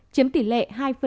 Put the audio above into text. chiếm tỷ lệ hai một